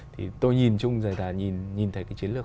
thì tôi nhìn chung là nhìn thấy cái chiến lược